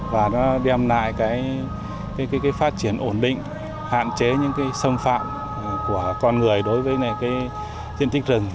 và nó đem lại phát triển ổn định hạn chế những sông phạm của con người đối với tiên tích rừng